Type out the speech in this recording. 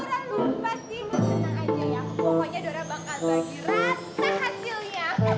iya jangan lupa sih mohon tenang aja ya pokoknya dora bakal bagi rata hasilnya